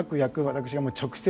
私が直接。